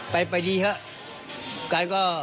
ไปดีครับ